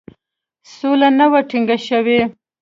سوله نه وه ټینګه شوې.